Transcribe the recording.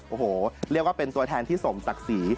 โอ้โหเรียกว่าเป็นตัวแทนที่สมศักดิ์ศรี